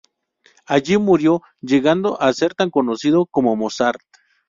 Allí murió, llegando a ser tan conocido como Mozart.